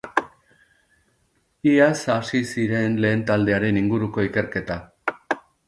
Iaz hasi ziren lehen taldearen inguruko ikerketa.